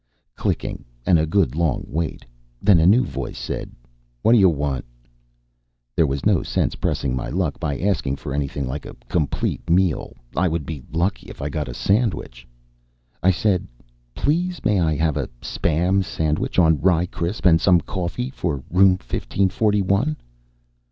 Clicking and a good long wait. Then a new voice said: "Whaddya want?" There was no sense pressing my luck by asking for anything like a complete meal. I would be lucky if I got a sandwich. I said: "Please, may I have a Spam sandwich on Rye Krisp and some coffee for Room Fifteen Forty one?"